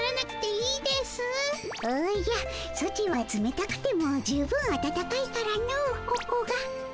おじゃソチはつめたくても十分あたたかいからのここが。